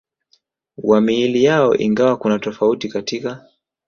wa miili yao ingawa kuna tofauti katika